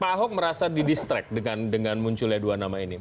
pak ahok merasa di distrect dengan munculnya dua nama ini